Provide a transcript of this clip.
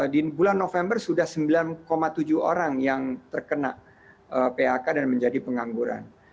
di bulan november sudah sembilan tujuh orang yang terkena phk dan menjadi pengangguran